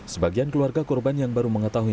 sebagian keluarga korban yang baru mengetahui